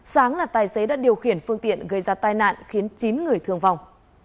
sáng là tài xế đã điều khiển phương tiện gây ra tai nạn khiến chín người thương vong